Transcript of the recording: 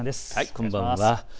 こんばんは。